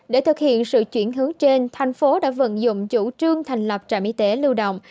để thực hiện sự chuyển hướng trên thành phố đã vận dụng chủ trương thành lập trạm y tế lưu động